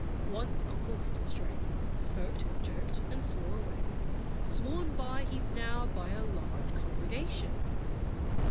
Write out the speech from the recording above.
Once uncle went astray, Smoked, joked, and swore away; Sworn by, he 's now, by a Large congregation!